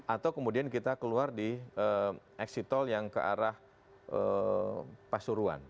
atau kemudian kita keluar di exit tol yang ke arah pasuruan